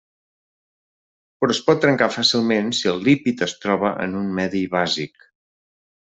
Però es pot trencar fàcilment si el lípid es troba en un medi bàsic.